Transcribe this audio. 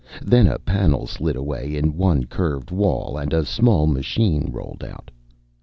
Then a panel slid away in one curved wall, and a small machine rolled out.